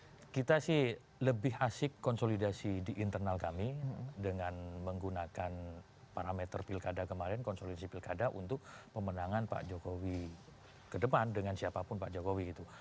ya kita sih lebih asik konsolidasi di internal kami dengan menggunakan parameter pilkada kemarin konsolidasi pilkada untuk pemenangan pak jokowi ke depan dengan siapapun pak jokowi itu